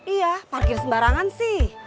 iya parkir sembarangan sih